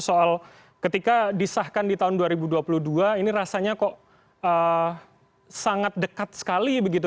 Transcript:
soal ketika disahkan di tahun dua ribu dua puluh dua ini rasanya kok sangat dekat sekali begitu